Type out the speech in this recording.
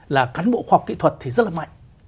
là cán bộ khoa học kỹ thuật thì rất là mạnh